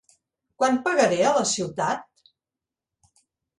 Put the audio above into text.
Quant pagaré a la ciutat?